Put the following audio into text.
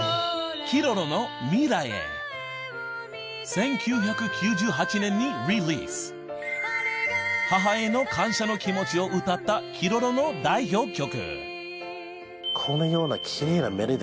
１９９８年にリリースの気持ちを歌ったＫｉｒｏｒｏの代表曲